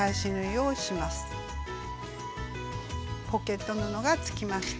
ポケット布がつきました。